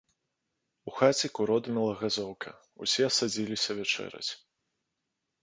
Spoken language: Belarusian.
У хаце куродымела газоўка, усе садзіліся вячэраць.